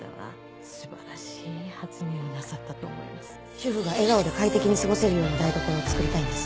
主婦が笑顔で快適に過ごせるような台所を作りたいんです。